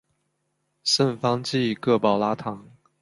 圣方济各保拉堂。